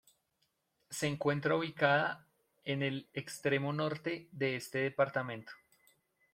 Se encuentra ubicada en el extremo norte de este departamento.